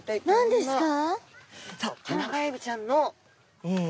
何ですか。